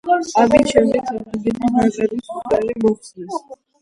ამის შემდეგ საფრანგეთის ნაკრების მწვრთნელი მოხსნეს.